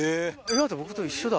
今の僕と一緒だ。